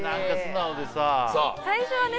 最初はね